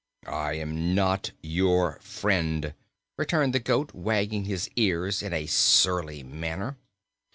"I am not your friend," returned the goat, wagging his ears in a surly manner.